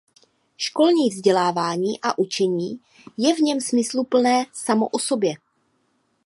Školní vzdělávání a učení je v něm smysluplné samo o sobě.